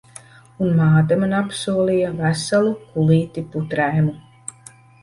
Un māte man apsolīja veselu kulīti putraimu.